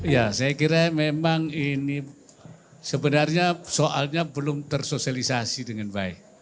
ya saya kira memang ini sebenarnya soalnya belum tersosialisasi dengan baik